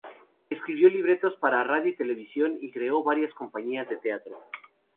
Escribió libretos para radio y televisión y creó varias compañías de teatro.